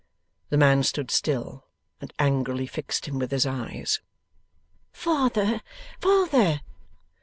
The man stood still, and angrily fixed him with his eyes. 'Father, father!